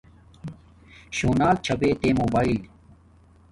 شوناک چھا بے تے موباݵل